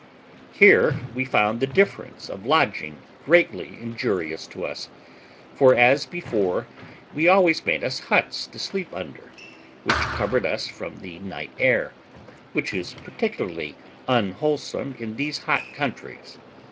Here we found the difference of lodging greatly injurious to us; for, as before, we always made us huts to sleep under, which covered us from the night air, which is particularly unwholesome in those hot countries.